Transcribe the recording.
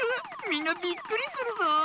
みんなびっくりするぞ。